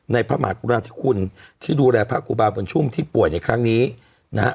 พระมหากุราธิคุณที่ดูแลพระครูบาบุญชุ่มที่ป่วยในครั้งนี้นะฮะ